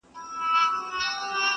نه يې وكړل د آرامي شپي خوبونه!